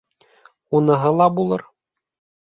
— Уныһы ла булыр.